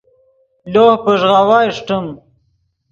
لوہ پݱغاؤا اݰٹیم